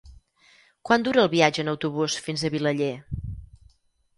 Quant dura el viatge en autobús fins a Vilaller?